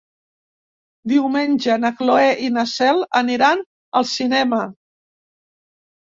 Diumenge na Cloè i na Cel aniran al cinema.